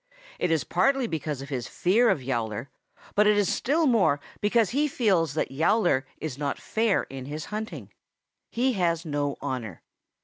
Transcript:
It is partly because of his fear of Yowler, but it is still more because he feels that Yowler is not fair in his hunting. He has no honor.